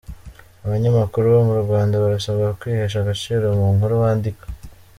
Abanyamakuru bo mu Rwanda barasabwa kwihesha agaciro mu nkuru bandika